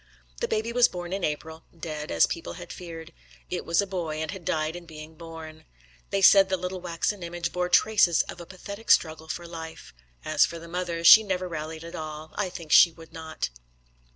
The baby was born in April dead, as people had feared. It was a boy, and had died in being born. They said the little waxen image bore traces of a pathetic struggle for life. As for the mother, she never rallied at all; I think she would not.